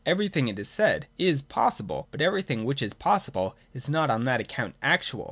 Everything, it is said, is possible, but everything which is possible is not on that account actual.